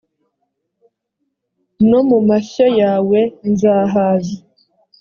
no mu mashyo yawe nzahaza